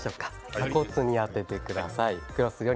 鎖骨に当ててください。